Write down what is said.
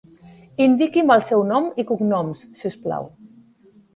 Indiqui'm el seu nom i cognoms, si us plau.